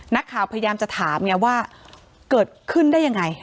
นักข่าวพยายามจะถามไงว่าเกิดขึ้นได้ยังไง